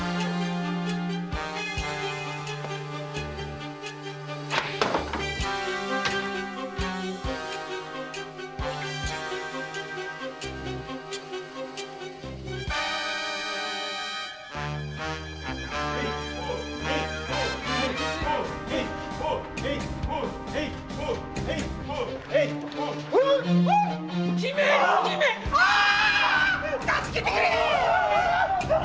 助けてくれ‼